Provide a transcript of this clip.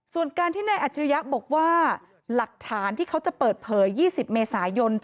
ส่วนการที่นายอัจฉริยะบอกว่าหลักฐานที่เขาจะเปิดเผย๒๐เมษายน